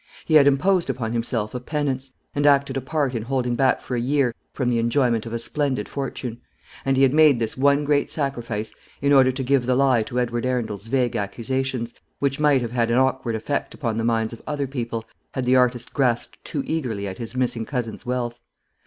He had imposed upon himself a penance, and acted a part in holding back for a year from the enjoyment of a splendid fortune; and he had made this one great sacrifice in order to give the lie to Edward Arundel's vague accusations, which might have had an awkward effect upon the minds of other people, had the artist grasped too eagerly at his missing cousin's wealth.